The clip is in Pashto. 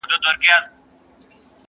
يوه ورځ يو ځوان د کلي له وتلو فکر کوي،